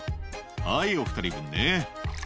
「はいお２人分ね」